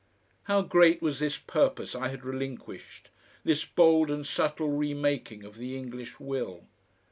How great was this purpose I had relinquished, this bold and subtle remaking of the English will!